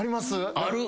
ある。